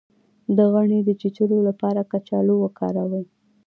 د غڼې د چیچلو لپاره کچالو وکاروئ